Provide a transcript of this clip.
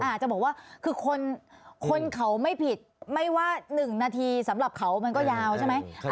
อาจจะบอกว่าคือคนเขาไม่ผิดไม่ว่า๑นาทีสำหรับเขามันก็ยาวใช่ไหม